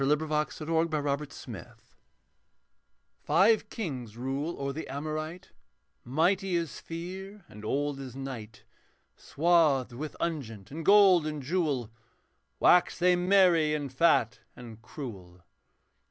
THE BALLAD OF THE BATTLE OF GIBEON Five kings rule o'er the Amorite, Mighty as fear and old as night; Swathed with unguent and gold and jewel, Waxed they merry and fat and cruel.